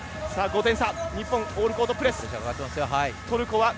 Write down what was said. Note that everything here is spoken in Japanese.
日本オールコートプレス。